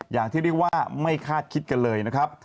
อย่างที่เรียกว่าไม่คาดคิดกันเลยนะครับ